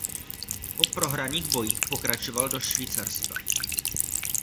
Po prohraných bojích pokračoval do Švýcarska.